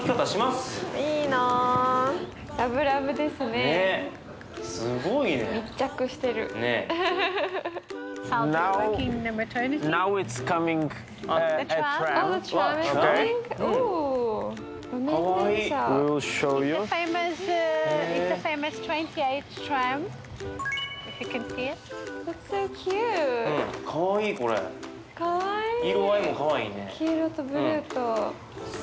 黄色とブルーと。